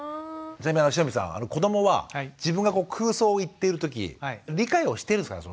じゃあ汐見さん子どもは自分が空想を言っているとき理解をしてるんですかね？